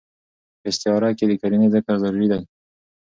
په استعاره کښي د قرينې ذکر ضروري دئ.